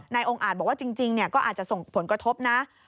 องค์อาจบอกว่าจริงก็อาจจะส่งผลกระทบนะ